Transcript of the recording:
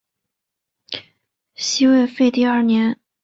西魏废帝二年。